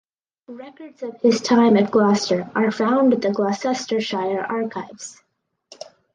Records of his time at Gloster are found at the Gloucestershire Archives.